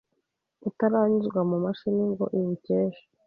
utaranyuzwa mu mashini ngo iwucyeshe